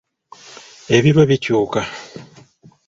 Ebirwa bikyuka.